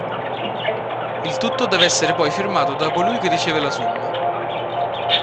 Il tutto deve essere poi firmato da colui che riceve la somma.